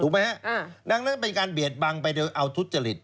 ถูกไหมอ่าดังนั้นเป็นการเบียดบังไปเอาทุจริต